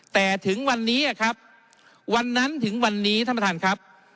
แต่ถึงวันนี้ครับวันนั้นถึงวันนี้ท่านประธานครับ